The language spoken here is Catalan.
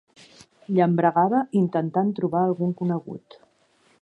Llambregava intentant trobar algun conegut.